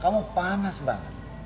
kamu panas banget